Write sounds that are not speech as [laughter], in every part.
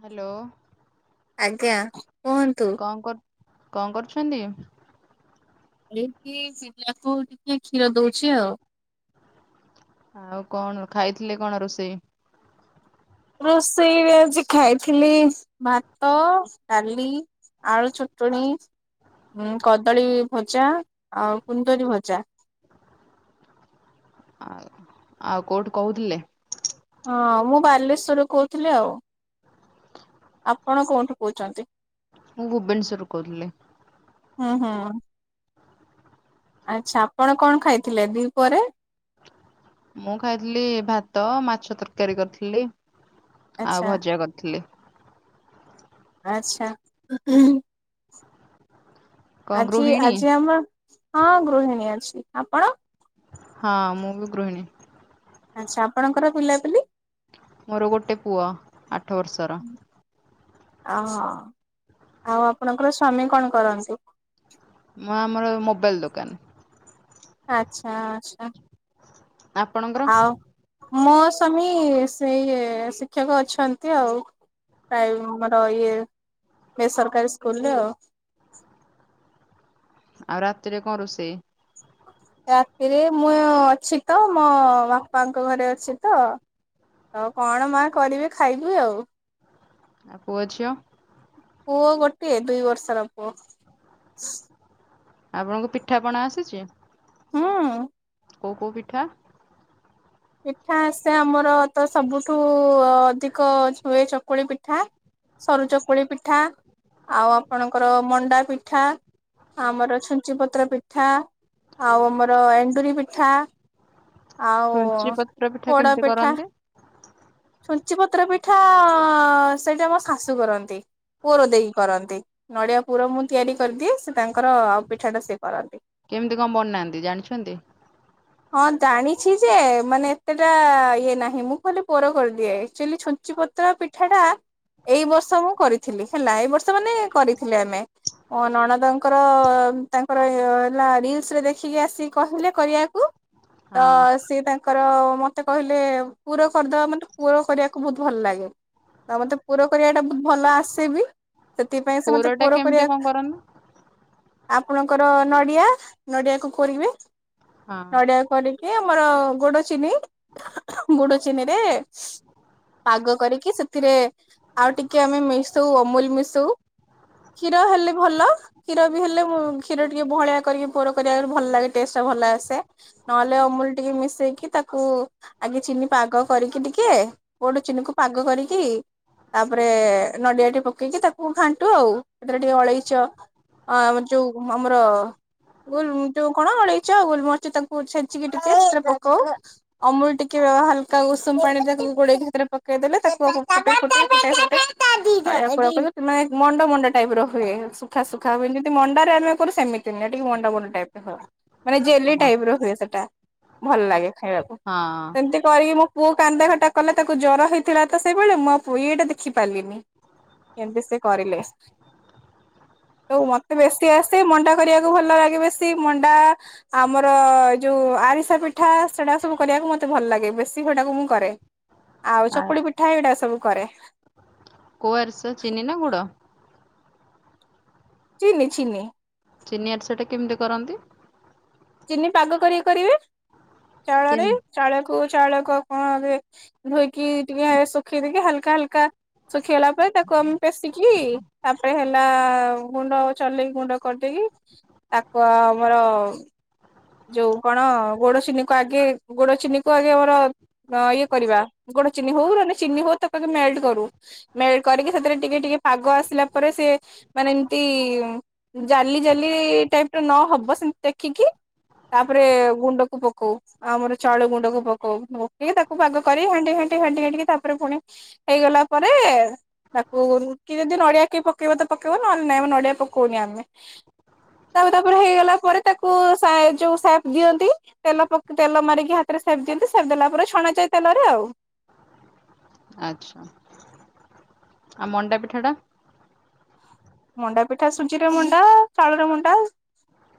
Hello ଆଜ୍ଞା। କୁହନ୍ତୁ। କଣ କରୁ? କଣ କରୁଛନ୍ତି? [unintelligible] ଖିର ଦଉଛି। ଆଉ କଣ ଖାଇଥିଲେ? କଣ ରୋଷେଇ? ରୋଷେଇରେ ଆଜି ଖାଇଥିଲି ଭାତ, ଡାଲି, ଆଳୁ ଚଟଣୀ ଆଉ କଦଳୀ ଭଜା, ଆଉ କୁନ୍ଦରି ଭଜା। ଆଉ ଆଉ କୋଉଠୁ କହୁଥିଲେ? ହଁ, ମୁଁ ବାଲେଶ୍ଵରରୁୁ କହୁଥିଲି ଆଉ। ଆପଣ କୋଉଁଠୁ କହୁଛନ୍ତି? ମୁଁ ଭୁବନେଶ୍ୱରରୁ କହୁଥିଲି। ହଁ, ହଁ। ଆଚ୍ଛା ଆପଣ କଣ ଖାଇଥିଲେ? ଦି ପହରେ। ମୁଁ ଖାଇଥିଲି ଭାତ, ମାଛ ତରକାରୀ କରିଥିଲି। ଆଚ୍ଛା ଆଉ ଭଜା କରିଥିଲି। ଆଚ୍ଛା। କଣ ଆଜି, ଗୃହିଣୀ? ଆଜି ଆମ ହଁ ଗୃହିଣୀ ଅଛି। ଆପଣ? ହଁ, ମୁଁ ବି ଗୃହିଣୀ। ଆଚ୍ଛା! ଆପଣଙ୍କର ପିଲାପିଲି? ମୋର ଗୋଟେ ପୁଅ। ଆଠ ବର୍ଷ ର। ଆଉ ହଁ। ଆଉ ଆପଣଙ୍କର ସ୍ଵାମୀ କଣ କରନ୍ତି? ମୁଁ ଆମର ମୋବାଇଲ ଦୋକାନ। ଆଛା, ଆଛା। ଆପଣଙ୍କର? ମୋ ସ୍ବାମୀ ସେ ଶିକ୍ଷକ ଅଛନ୍ତି ଆଉ। ମୋର ଇଏ ବେସରକାରୀ ସ୍କୁଲରେ ଆଉ। ଆଉ ରାତିରେ କଣ ରୋଷେଇ? ରାତିରେ ମୁଁ ଅଛି ତ ମୋ ବାପାଙ୍କ ଘରେ ଅଛି ତ। ଆଉ କଣ ମା କରିବେ? ଖାଇବି ଆଉ। ଆ ପୁଅ ଝିଅ? କେ ଦୁଇ ବର୍ଷର ପୁଅ। ଆପଣଙ୍କୁ ପିଠାପଣା ଆସିଛି? ହଁ। କଉ କଉ ପିଠା? ପିଠା ଆସେ ଆମର ତ ସବୁଠୁ ଅଧିକ ହୁଏ ଚକୁଳି ପିଠା ସରୁ ଚକୁଳି ପିଠା ଆଉ ଆପଣଙ୍କର ମଣ୍ଡା ପିଠା ଆମର ଛୁଞ୍ଚି ପତ୍ର ପିଠା ଆଉ ଆମର ଏଣ୍ଡୁରି ପିଠା। ଆଉ ତ୍ର ପିଠା କେମିତି କରନ୍ତି? ଚି ପତ୍ର ପିଠା ସେଇଟା ମୋ ଶାଶୁ କରନ୍ତି ପୁର ଦେଇକି କରନ୍ତି ନଡ଼ିଆ ପୁର ମୁଁ ତିଆରି କରିଦିଏ ସେ ତାଙ୍କର ଆଉ ପିଠାଟା ସେ କରନ୍ତି। କେମିତି କଣ ବନାନ୍ତି ଜାଣିଛନ୍ତି? ଛି ଯେ ମାନେ ଏତେଟା ଇଏ ନାହିଁ ମୁଁ ଖାଲି ପୋର କରିଦିଏ ଏକ୍ଚୁଲି ଛୁଞ୍ଚି ପତ୍ର ପିଠାଟା ଏଇ ବର୍ଷ ମୁଁ କରିଥିଲି ହେଲା ଏଇ ବର୍ଷ ମାନେ କରିଥିଲେ ଆମେ ନଣଦଙ୍କର ତାଙ୍କର ଇ ହେଲା ରିଲସ ରେ ଦେଖିକି ଆସି କହିଲେ କରିବାକୁ ତ ହଁ। ସିଏ ତାଙ୍କ ତ ମତେ କହିଲେ ଉପୁର କରିଦେବା ମତେ ପୁର କରିବାକୁ ବହୁତ ଭଲ ଲାଗେ ତ ମତେ ପୁର କରିବା ଟା ବହୁତ ଭଲ ଆସେ ବି। ସେଥିପାଇଁ ସେ ମତେ ପୋରଟା ପୁର କେମିତି କଣ କରିବା କରନ୍ତି? ଆପଣଙ୍କର ନଡ଼ିଆ ନଡ଼ିଆକୁ କୋରିବେ। ହଁ ନଡ଼ିଆ କରି ଏଇ ଆମର ଗୋଡ଼ ଚିନି ଗୋଡ଼ ଚି ଚିନିରେ ପାଗ କରିକି ସେଥିରେ ଆଉ ଟିକେ ଆମେ ମିଶଉ ଅମୁଲ ମିଶଉ କ୍ଷୀର ହେଲେ ଭଲ କ୍ଷୀର ବି ହେଲେ କ୍ଷୀର ଟିକେ ବହଳିଆ କରିକି ପୋର କରିବା ଭଲ ଲାଗେ ଟେଷ୍ଟଟା ଭଲ ଆସେ ନହେଲେ ଅମୁଲ ଟିକେ ମିଶେଇକି ତାକୁ ଆଗେ ଚିନି ପାଗ କରିକି ଟିକେ ଗୋଟେ ଚିନିକୁ ପାଗ କରିକି ତାପରେ ନଡ଼ିଆ ଟିକେ ପକେଇକି ତାକୁ ଘାଣ୍ଟୁ ଆଉ ସେଥିରେ ଟିକେ ଅଳେଇଚ ଅ ଯୋଉ ଆମର ଗୋଲ ଯୋଉ କଣ ଅଳେଇଚ ଗୋଲମରିଚ ତାକୁ ଛେଚିକି ଟିକେ ସେଥିରେ ପକଉ ଅମୁଲ ଟିକେ ହାଲ୍ କା ଉଷୁମ ପାଣିରେ ତାକୁ ଗୋଳେଇ ଭିତରେ ପକେଇଦଲେ ତାକୁ [inaudible] ମଣ୍ଡ ମଣ୍ଡ ଟାଇପ୍ ର ହୁଏ ସୁଖା ସୁୁଖା ହୁଏ କିନ୍ତୁ ମଣ୍ଡାରେ ଆମେ କରୁ ସେମିତି ନି ଟିକେ ମଣ୍ଡ ମଣ୍ଡ ଟାଇପ୍‌ରେ ହୁଏ। ମାନେ ହଁ ଜେଲି ହଁ ଟାଇପ୍ ର ହୁଏ ସେଟା। ଭଲ ଲାଗେ। ଖାଇବାକୁ ସେମତି ମୋ ପୁଅ କାନ୍ଦା କଟା କଲେ ତାକୁ ଜର ହେଇଥିଲା ତ ସେଇବେଳେ ମୁଁ ଆଉ ପୁଇ ଏଇଟା ଦେଖି ପାରିଲିନି ଏମତି ସେ କରିଲେ ହଉ ମତେ ବେଶୀ ଆସେ ମଣ୍ଡା କରିବାକୁ ଭଲ ଲାଗେ ବେଶି ମଣ୍ଡା ଆମର ଯୋଉ ଆରିସା ପିଠା ସେଟା ସବୁ କରିବାକୁ ମତେ ଭଲ ଲାଗେ। ବେଶୀ ଫଟାକୁ ମୁଁ କରେ। ଆଉ ଆ ଚକୁଳି ପିଠା ଏଗୁଟା ସବୁ। କରେ। କୁଆରସ ଚିନି ନା ଗୁଡ଼? ଚିିନି ଚିନି। ଚିନି ଆରିସା ଟା କେମିତି କରନ୍ତି? ଚିନି ପାଗ କରି କରିବେ। ଚାଉଳରେ କେମ୍ ଚାଳକୁ ଚାଉଳ କ ହ ହୁଏ ଧୋଇକି ଟିକେ ଶୁଖେଇ ଦେଇକି ହାଲକା ହାଲକା ସୁ ଖିଗଲା ପରେ ତାକୁ ଆମ ପେଶିକି ତାପରେ ହେଲା-ଆ-ଆ-ଆ ଗୁଣ୍ଡ ଚଲେଇକି ଗୁଣ୍ଡ କରିଦେଇକି ତାକୁ ଆ ଆମର ଯୋଉ କଣ ଗୋଡ଼ ଚିନି କୁ ଆଗେ ଗୋଡ଼ ଚିନି କୁ ଆଗେ ଆମର ଇଏ କରିବା ଗୋଡ଼ ଚିନି ହଉ ଚିନି ହଉ ତାକୁ ଆଗେ ମେଲ୍‌ଟ କରୁ। ମେଲ୍‌ଟ କରିକି ସେଥିରେ ଟିକେ ଟିକେ ପାଗ ଆସିଲା ପରେ ସେ ମାନେ ଏମତି ଜାଲି ଜାଲି ଟାଇପ୍ ର ନହେବ ସେମିତି ଦେଖିକି ତାପରେ ଗୁଣ୍ଡକୁ ପକଉ ଆମର ଚାଉଳ ଗୁଣ୍ଡକୁ ପକଉ ପକେଇ ତାକୁ ପାଗ କରି ଘାଣ୍ଟି ଘାଣ୍ଟି ଘାଣ୍ଟି ଘାଣ୍ଟି କି ତାପରେ ପୁଣି ହେଇଗଲା ପରେ ତାକୁ କି ଯଦି ନଡ଼ିଆ କି ପକେଇବ ତ ପକେଇବ ନହଲେ ନାଇଁ ଆମ ନଡ଼ିଆ ପକଉନି ଆମେ। ତା ତାପରେ ହେଇଗଲା ପରେ ତାକୁ ସା ଯଉ ସେଫ ଦିଅନ୍ତି ତେଲ ପ ତେଲ ମାରିକି ହାତରେ ସେଫ ଦିଅନ୍ତି। ସେଫ ଦେଲା ପରେ ଛଣାଚାଏ ତେଲରେ ଆଉ। ଆଛା ଆଉ ମଣ୍ଡାପିଠା ଟା। ମଣ୍ଡାପିଠା ସୁଜିରେ ମଣ୍ଡା, ଚାଉଳରେ ମଣ୍ଡା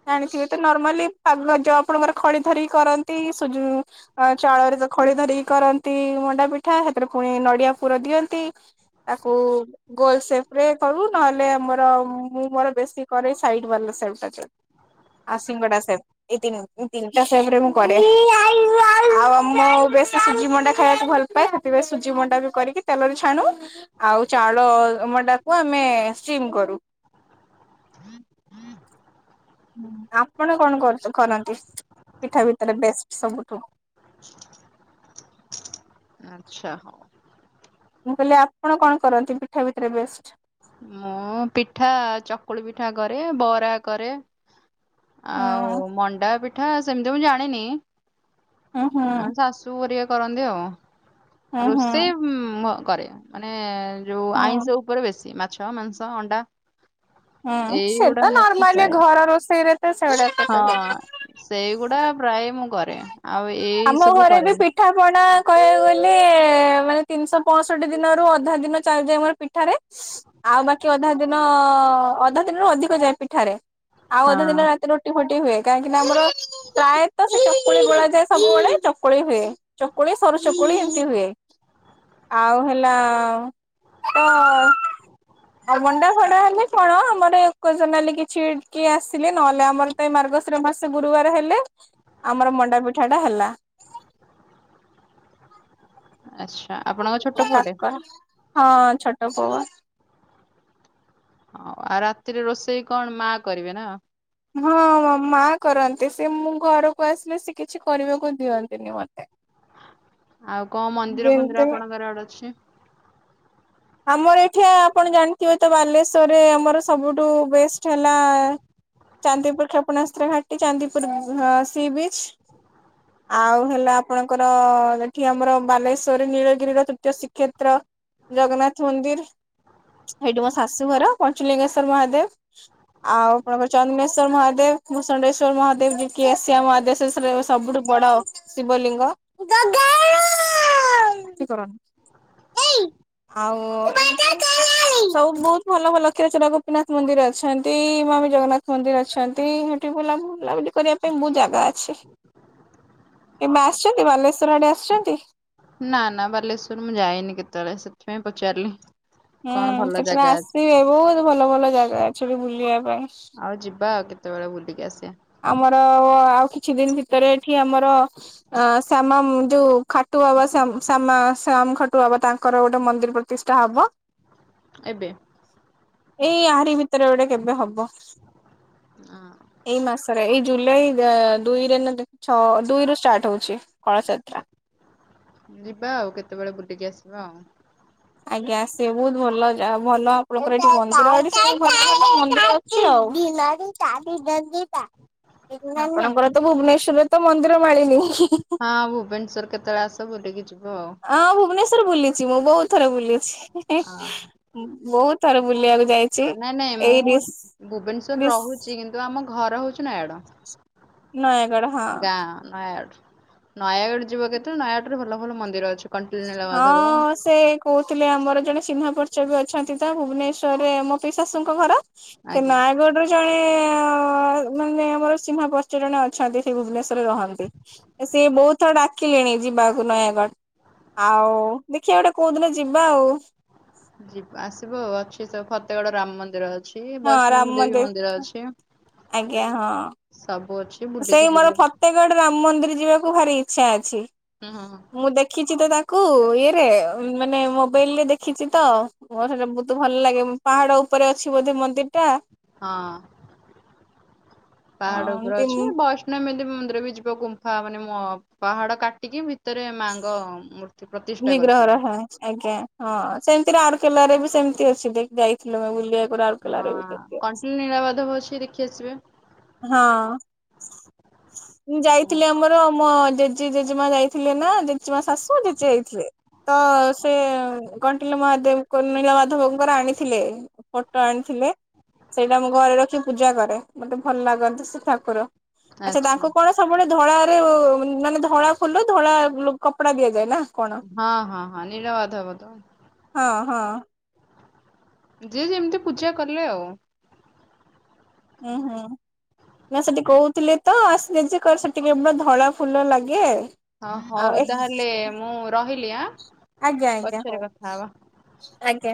ଜାଣିଥିବେ ତ ନର୍ମାଲି ପାଗ ଯ ଖଳି ଧରିକି କରନ୍ତି ସୁଜି ଅ ଚାଉଳରେ ଖଳି ଧରିକି କରନ୍ତି ମଣ୍ଡାପିଠା। ସେଥିରେ ପୁଣି ନଡିଆପୁର ଦିଅନ୍ତି ତାକୁ ଗୋଲ ସେପରେ କରୁ ନହେଲେ ମୁଁ ମୋର ମୁଁ ମୋର ବେଶି କରେ ସାଇଡବାଲା ସେପ ଟା ଯେଉ ଆଉ ସିଙ୍ଗଡ଼ା ସେପ ମୁଁ ତି ତିନିଟା ସେପରେ କରେ। ଆଉ ବେଶୀ ସୁଜିମଣ୍ଡା ଖାଇବାକୁ ଭଲ ପାଏ ସେଥିପାଇଁ ସୁଜିମଣ୍ଡା ବି କରିକି ତେଲରେ ଛାଣୁ ଆଉ ଚାଉଳ ମଣ୍ଡାକୁ ଆମେ-ଏ-ଏ-ଏ ଚିମ୍ କରୁ। ଆପଣ କଣ କରୁଚ କରନ୍ତି ପିଠା ଭିତରେ ବେଷ୍ଟ ସବୁଠୁ? ଆଚ୍ଛା ହ। ମୁଁ କହିଲି ଆପଣ କଣ କରନ୍ତି ପିଠା ଭିତରେ ବେଷ୍ଟ? ମୁଁ ପିଠା ଚକୁଳି ପିଠା କରେ ବରା କରେ। ଆଉ ମଣ୍ଡା ପି ପିଠା ସେମିତି ମୁଁ ଜାଣିନି। ହୁଁ ହୁଁ ହୁଁ ଆମେ ଶାଶୁ ଘରିକା କରନ୍ତି ଆଉ। ହୁଁ ହୁଁ ରୋଷେଇ ଉ ମ କରେ ମାନେ-ଏ-ଏ ଯୋଉ ହୁଁ ଆଇଁଷ ଉପରେ ବେଶୀ ମା ମାଂସ, ଅଣ୍ଡା ହୁଁ ସେ ଏଇଗୁଡା ତ ମତେ ନର୍ମାଲି ପ୍ରାୟ ଘର ରୋଷେଇରେ ତ ସେଗୁଡା ହଁ ସେଇଗୁଡା ପ୍ରାୟ ମୁଁ କ ରେ। ଆମ ଘରେ ବି ପିଠା ପଣା କହିବାକୁ ଗଲେ-ଏ-ଏ ମାନେ ତିନିଶହପଅଷଠି ଦିନରୁ ଅଧା ଦିନ ଚାଲିଯାଏ ମୋର ପିଠାରେ। ଆଉ ବାକି ଅଧା ଦିନ-ଅ-ଅ-ଅ ଅଧା ଦିନରୁ ଅଧିକ ଯାଏ ପିଠାରେ। ଆଉ ହଁ ଅଧା ଦିନ ରାତି ରୁଟି ଫୁଟି ରୁଟିହୁଏ କାହିଁକି ନା ଆମର ପ୍ରାୟତ ସେ ଚକୁଳି ଗୋଳା ଯାଏ ସବୁବେଳେ ଚକୁଳି ହୁଏ ଚକୁଳି ସରୁ ଚକୁଳି ଏମିତି ହୁଏ। ଆଉ ହେଲା-ଆ-ଆ-ଆ ତ ଆଉ ମଣ୍ଡା ଫଣ୍ଡା ହେଲେ କଣ ଆମର ଏକ ଜନାଲି କିଛି କିଏ ଆସିଲେ ନହେଲେ ଆମର ତ ଏ ମାର୍ଗଶିର ମାସ ଗୁରୁବାର ହେଲେ ଆମର ମଣ୍ଡା ପିଠା ପିଠାଟା ହେଲା। ଆଛା। ଆ ଆପଣଙ୍କ ଛୋଟ ପୁଅଟେ? କାକରା ହଁ ଛୋଟ ପୁଅପା। ହଉ ଆଉ ରାତିରେ ରୋଷେଇ କଣ, ମା କରିବେ ନା? ହଁ ମା କରନ୍ତି ସେ ମୁଁ ଘରକୁ ଆସିଲେ ସେ କିଛି କରିବାକୁ ଦିଅନ୍ତିନି ମତେ। ଆଉ କଣ ମନ୍ଦିର ଯେମିତି ଫନ୍ଦିର ଆପଣଙ୍କର ଆଡେ ଅଛି? ଆମର ଏଠି ଆପଣ ଜାଣିଥିବେ ତ ବାଲେଶ୍ଵରରେ ଆମର ସବୁଠୁ ବେଷ୍ଟ ହେଲା ଚାନ୍ଦିପୁର କ୍ଷେପଣାସ୍ତ୍ର ଘାଟି, ଚାନ୍ଦିପୁର ଅ-ଅ ସି ବିଚ୍। ଆଉ ହେଲା ଆପଣଙ୍କର-ଅ-ଅ-ଅ ଏଠି ଆମର ବାଲେଶ୍ୱରୀ ନୀଳଗିରିର ତୃତୀୟ ଶ୍ରୀକ୍ଷେତ୍ର ଜଗନ୍ନାଥ। ମନ୍ଦିର ସେଇଠି ମୋ ଶାଶୁଘର ପଞ୍ଚଲିଙ୍ଗେଶ୍ଵର ମହାଦେବ ଆଉ ପ୍ରଭୁ ଚନ୍ଦଶ୍ଵର ମହାଦେବ ଭୂଷଣ୍ଡେଶ୍ଵର ମହାଦେବ ଯଏକି ଏସିଆ ମହାଦେବ ଶେରେ ସବୁଠୁ ବଡ ଶିବଲିଙ୍ଗ ପାଟି କରନି। ଆଉ ସବୁ ବହୁତ ଭଲ ଭଲ କ୍ଷୀରଚୋରା ଗୋପୀନାଥ ମନ୍ଦିର ଅଛନ୍ତି ମମିଜଗନ୍ନାଥ ମନ୍ଦିର ଅଛନ୍ତି ସେଠି ବୁଲା ବୁଲାବୁଲି କରିବା ପାଇଁ ବହୁତ ଜାଗା ଅଛି କେବେ ଆସିଛନ୍ତି ବାଲେଶ୍ଵର ଆଡେ ଆସିଛନ୍ତି। ନା ନା ବାଲେଶ୍ୱର ମୁଁ ଯାଇନି କେତେବେଳେ ସେଥିପାଇଁ ପଚାରିଲି? ହୁଁ କଣ ଭଲ କେତେବେଳେ ଜାଗା ଅଛି ଆସିବେ ବହୁତ ଭଲ ଭଲ ଜାଗା ଅଛି। କେବେ ବୁଲିିବାକୁ ଆଉ ଯିବା କେ କେତେବେଳେ ବୁଲିକି ଆସିବା। ଆମର ଅ ଆଉ କିଛି ଦିନ ଭିତରେ ଏଠି ଆମର ଆ ଶ୍ୟାମା ଯୋଉ ଖାଟୁ ବାବା ଶ୍ୟାମା ଶ୍ୟାମା ଶ୍ୟାମ ଖାଟୁ ବାବା ତାଙ୍କର ଗୋଟେ ମନ୍ଦିର ପ୍ରତିଷ୍ଠା ହବ। ଏବେ। ଏଇ ଆରିି ଭିତରେ ଗୋଟେ କେବେ ହବ। ବ ହଁ ଏଇ ମାସ ରେ ଏଇ ଜୁଲାଇ ଅ ଦୁଇରେ ନା ଦେ ଛଅ ଦୁଇରୁ ଷ୍ଟାର୍ଟ ହଉଛି। କଳସ ଯାତ୍ରା। ଯିବା ଆଉ କେତେବେଳେ ବୁ ଏଇଠି କି ଆସିବା ଆଉ। ଆଜ୍ଞା ଆସିବେ ବହୁତ ଭଲ ଯା ଭଲ ଆପଣଙ୍କର ଏଠି [unintelligible] ଆମର ତ ଭୁବନେଶ୍ଵରରେ ତ ମନ୍ଦିର ମାଳିନି। ହଁ ଭୁବନେଶ୍ଵର କେତେବେଳେ ଆସ ବୁଲିକି ଯିବ ହଁ ଭୁବନେଶ୍ୱର ବୁଲି ଚି ମୁଁ ବହୁତ ଥରେ ବୁଲିୁଛି। ଆଉ ହଁ [inaudible] ବହୁତ ଥର ବୁଲିବାକୁ ଯାଇଛି ନାଇଁ ନାଇଁ ଏଇ ମୁଁ ରିସ୍ ଭୁବନେଶ୍ଵର ରିସ୍ ରହୁଛି କିନ୍ତୁ ଆମ ଘର ହଉଛି ନୟାଗଡ଼। ନୟାଗଡ଼ ହଁ। ନୟାଗଡ ଯିବ କେତେ ନୟାଗଡ଼ ରେ ଭଲ ଭଲ ମନ୍ଦିର ଅଛି। କଣ୍ଟିଲ ନୀଳମାଧବ ହଁ ସେ କହୁଥିଲେ ଆମର ଜଣେ ଚିହ୍ନା ପରିଚୟ ବି ଅ ଅଛନ୍ତି ତ ଭୁବନେଶ୍ୱରରେ ମୋ ପି ଶାଶୁଙ୍କ ଘର। ସେ ଆଜ୍ଞା ନୟାଗଡ ର ଜଣେ ନେ ମାନେ ଆମର ଚିହ୍ନା ପରିଚ ଜଣେ ଅଛନ୍ତି ସେ ଭୁବନେଶ୍ଵରରେ ରହନ୍ତି ସିଏ ବହୁତ ଥର ଡାକିଲେଣି ଯିବାକୁ ନୟାଗଡ଼। ଆଉ ଦେଖିବା ଗୋଟେ କୋଉ ଦିନ ଯିବା ଆଉ। ଯି ଆସିବ ଅଛି ସବୁ ଫତେଗଡ ରାମ ମନ୍ଦିର ଅଛି। ଅଛି ହଁ ରାମ ବୈଷ୍ଣବୀ ଦେବୀ ମନ୍ଦିର ଅଛି ଆଜ୍ଞା ହଁ ସବୁ ଅଛି। ବୁଲିକି ସେଇ ମୋର ଯିବ ହୁଁ ଫତେଗଡ ରାମ ମ ମନ୍ଦିର ଯିବାକୁ ଭାରି ଇଚ୍ଛା ଅଛି। ହୁଁ ହୁଁ ମୁଁ ଦେଖିଛି ତ ତାକୁ ଇଏ ରେ ମାନେ ମୋବାଇଲ ରେ ଦେଖିଛି ତ ମୋର ସେଟା ବହୁତ ଭଲ ଲାଗେ ପାହାଡ ଉପରେ ଅଛି ବୋଧେ ମନ୍ଦିର ଟା। ହଁ ପାହାଡ ଉପରେ ଏମତି ଅଛି। ବୈଷ୍ଣବ ଦେବୀ ମନ୍ଦିର ବି ଯିବ ଗୁମ୍ଫା ମାନେ ମ ପାହାଡ କାଟିକି ଭିତରେ ମାଙ୍କ ମୂ ବିଗ୍ରହ ର ହଁ ଆଜ୍ଞା ହଁ ସେମିତିରେ ରାଉରକେଲାରେ ବି ସେମିତି ଅଛି ଦେ ଯାଇଥିଲ ଆମେ ବୁଲିବା ହଁ କଣ୍ଟିଲୋ ନୀଳାବାଧବ ଅଛି ଦେଖି ଆସିବେ। ହଁ ମୁଁ ଯାଇଥିଲି ଆମର ମୋ ଜେଜି ଜେଜେମା ଯାଇଥିଲେ ନା ଜେଜେମା ଶାଶୁ ଜେଜେ ଯାଇଥିଲେ। ତ ସେ କଣ୍ଟିଲ ମହାଦେବ ନୀଳ ମାଧବଙ୍କର ଆଣିଥିଲେ। ଫଟୋ ଆଣିଥିଲେ। ସେଇଟା ଆମ ଘରେ ରଖିକି ପୂଜା କରେ। ମତେ ଭଲ ଲାଗନ୍ତି ସେ ଠାକୁର। ଆଚ୍ଛା ତାଙ୍କୁ କଣ ସବୁବେଳେ ଧଳା ମାନେ ଧଳା ଫୁଲ, ଧଳା କପଡା ଦିଆଯାଏ ନା। କଣ? ହଁ ହଁ ହଁ ନିଳ ମାଧବ। ହଁ ହଁ। ଯେ ଯେମତି ପୂଜା କଲେ ଆଉ। ଉୁଁ ହୁଁ ନା ସେଠି କଉଥିଲେ ତ ଆସିଲେ ଯେ କର ସେଟି କେବଳ ଧଳା ଫୁଲ ଲାଗେ। ହଁ ଆଉ ହଉ ତାହେଲେ ମୁଁ ରହିଲି ଆଁ ଆଜ୍ଞା ଆଜ୍ଞା ହଉ ପଛରେ କଥା ହବା। ଆଜ୍ଞା।